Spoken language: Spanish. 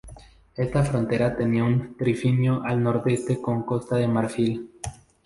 Esta frontera tenía un trifinio al nordeste con Costa de Marfil.